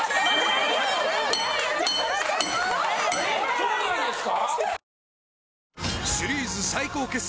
そうなんですか？